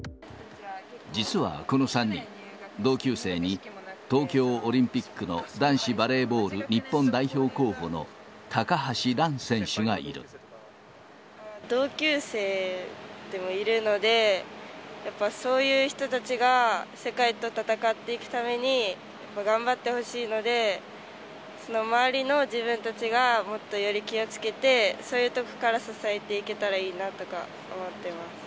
実は、この３人、同級生に、東京オリンピックの男子バレーボール日本代表候補の高橋藍選手が同級生でもいるので、やっぱそういう人たちが世界と戦っていくために頑張ってほしいので、その周りの自分たちがもっとより気をつけて、そういうとこから支えていけたらいいなとか思ってます。